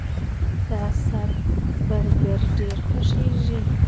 د اسد برګر ډیر خوښیږي